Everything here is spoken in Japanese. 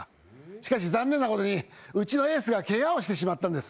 しかし、残念なことにうちのエースがけがをしてしまったんです。